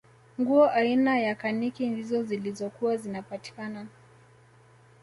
nguo aina ya kaniki ndizo zilizokuwa zinapatikana